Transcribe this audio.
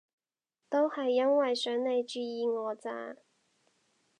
都係因為想你注意我咋